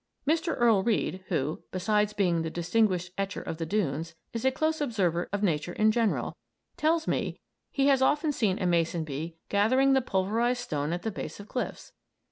Mr. Earl Reed, who, beside being the distinguished etcher of "The Dunes," is a close observer of nature in general, tells me he has often seen a mason bee gathering the pulverized stone at the base of cliffs.